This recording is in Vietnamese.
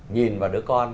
nhìn vào đứa con